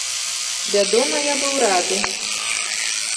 Вядома, я быў рады.